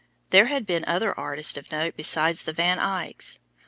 There had been other artists of note besides the Van Eycks.